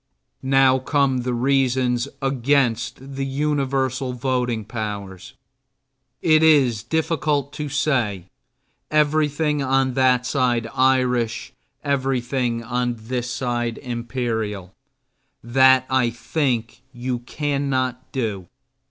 Now come the reasons against the universal voting powers. It is difficult to say: Everything on that side Irish, everything on this side imperial. That, I think, you cannot do.